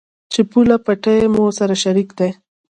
چې پوله، پټي مو سره شريک دي.